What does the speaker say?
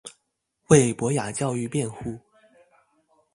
為博雅教育辯護